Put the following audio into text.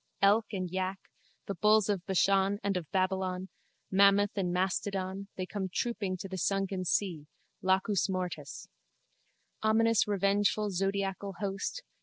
Elk and yak, the bulls of Bashan and of Babylon, mammoth and mastodon, they come trooping to the sunken sea, Lacus Mortis. Ominous revengeful zodiacal host!